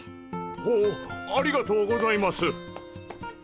ほうありがとうございます！